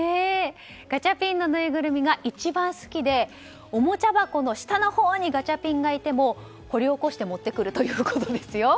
ガチャピンのぬいぐるみが一番好きでおもちゃ箱の下のほうにガチャピンがいても掘り起こして持ってくるということですよ。